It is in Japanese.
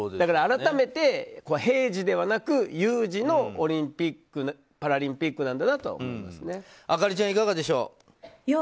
改めて、平時ではなく有事のオリンピック・パラリンピックなんだなと亜香里ちゃん、いかがでしょう。